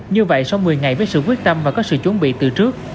như vậy sau một mươi ngày với sự quyết tâm và có sự chuẩn bị từ trước